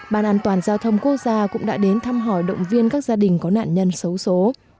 ban an toàn giao thông quốc gia cũng đã đến thăm hỏi động viên các gia đình có nạn nhân xấu xố